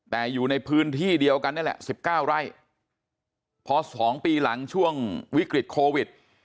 แต่อยู่ในพื้นที่เดียวกันนี่แหละ๑๙ไร่พอ๒ปีหลังช่วงวิกฤตโควิด